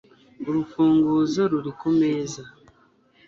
urufunguzo ruri kumeza